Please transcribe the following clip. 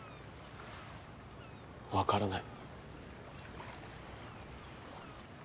わからない。